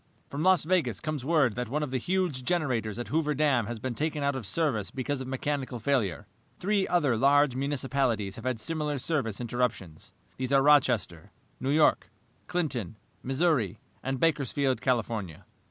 "From Las Vegas comes word that one of the huge generators at Hoover Dam has been taken out of service because of mechanical failure. Three other large municipalities have had similar service interruptions. These are Rochester, New York, Clinton, Missouri, and Bakersfield, California.